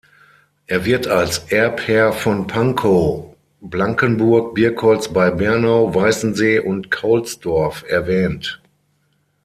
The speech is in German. Er wird als Erbherr von Pankow, Blankenburg, Birkholz bei Bernau, Weißensee und Kaulsdorf erwähnt.